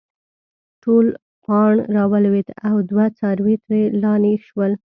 ټول پاڼ راولويد او دوه څاروي ترې لانې شول